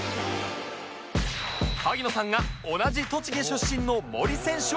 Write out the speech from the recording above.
萩野さんが同じ栃木出身の森選手を直撃